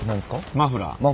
マフラー？